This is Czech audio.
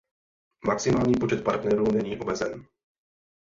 Maximální počet partnerů není omezen.